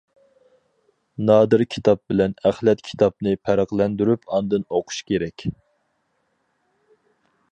نادىر كىتاب بىلەن ئەخلەت كىتابنى پەرقلەندۈرۈپ ئاندىن ئوقۇش كېرەك.